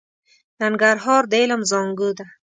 ننګرهار د علم زانګو ده.